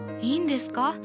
いいんですか？